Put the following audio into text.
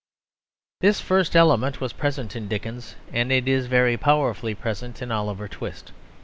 This first element was present in Dickens, and it is very powerfully present in Oliver Twist.